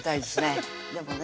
でもね